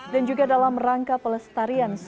dan juga dalam rangka pelestarian